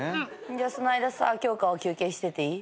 じゃあその間さ休憩してていい？